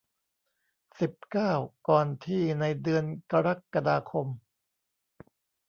สิบเก้า ก่อนที่ในเดือนกรกฎาคม